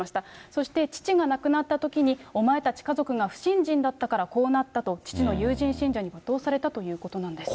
そして、父が亡くなったときに、お前たち家族が不信心だったからこうなったと、父の友人信者に罵倒されたということなんです。